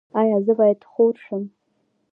ایا زه باید خور شم؟